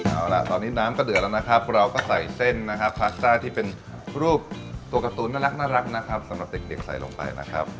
เอาล่ะตอนนี้น้ำก็เดือดแล้วนะครับเราก็ใส่เส้นนะครับพาสต้าที่เป็นรูปตัวการ์ตูนน่ารักนะครับสำหรับเด็กใส่ลงไปนะครับ